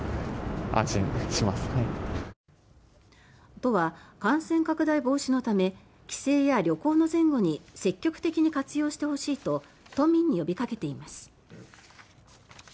都は感染拡大防止のため帰省や旅行の前後に積極的に活用してほしいと都民に呼びかけています。